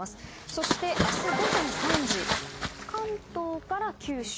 そして明日午前３時関東から九州